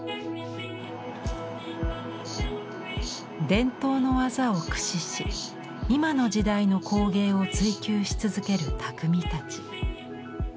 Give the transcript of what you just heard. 伝統の技を駆使し今の時代の工芸を追求し続ける匠たち。